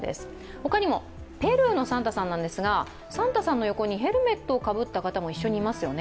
他にもペルーのサンタさんの横にヘルメットをかぶった方も一緒にいますよね。